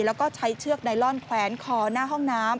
แล้วก็ใช้เชือกไนลอนแขวนคอหน้าห้องน้ำ